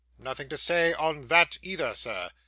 'Nothing to say on that, either, sir?